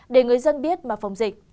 để người dân biết mà phòng dịch